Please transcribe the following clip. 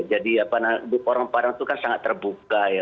jadi orang padang itu kan sangat terbuka ya